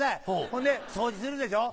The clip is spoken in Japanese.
ほんで掃除するでしょ。